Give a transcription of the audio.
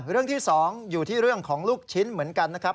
เรื่องที่๒อยู่ที่เรื่องของลูกชิ้นเหมือนกันนะครับ